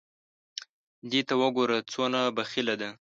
دې ته وګوره څونه بخیله ده !